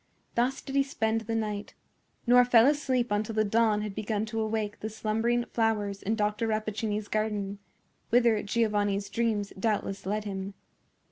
Thus did he spend the night, nor fell asleep until the dawn had begun to awake the slumbering flowers in Dr. Rappaccini's garden, whither Giovanni's dreams doubtless led him.